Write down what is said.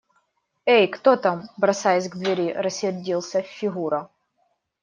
– Эй, кто там? – бросаясь к двери, рассердился Фигура.